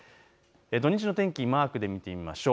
土日の天気、マークで見てみましょう。